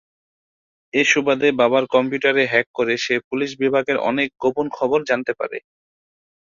এ সুবাদে বাবার কম্পিউটারে হ্যাক করে সে পুলিশ বিভাগের অনেক গোপন খবর জানতে পারে।